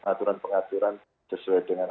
aturan pengaturan sesuai dengan